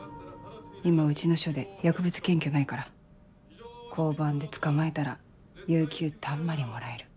今うちの署で薬物検挙ないから交番で捕まえたら有休たんまりもらえる。